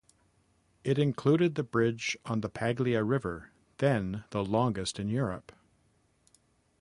It included the bridge on the Paglia river, then the longest in Europe.